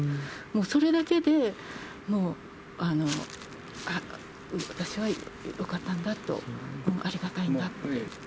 もうそれだけで、もう私はよかったんだと、ありがたいんだって。